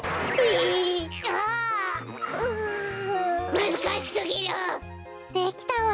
むずかしすぎる！できたわ。